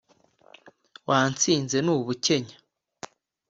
watsinze n’ubukenya,